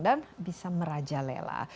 dan bisa merajalela